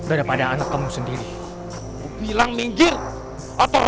aku tidak rela kalau romo memperhatikan wanita itu